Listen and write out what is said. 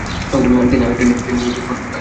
তিনি আলেক্সান্দ্রিয়ায় আসেন ।